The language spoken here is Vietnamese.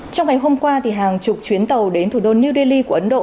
trong ngày hôm qua hàng chục chuyến tàu đến thủ đô new delhi của ấn độ